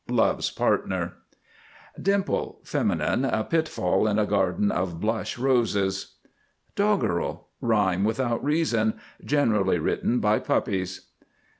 Love's partner. DIMPLE, f. A pitfall in a garden of Blush Roses. DOGGEREL. Rhyme without reason, generally written by puppies.